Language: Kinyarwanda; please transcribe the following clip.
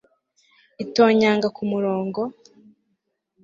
itonyanga kumurongo